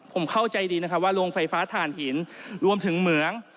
ผมเข้าใจดีนะครับว่าโรงไฟฟ้าฐานหินรวมถึงเหมือง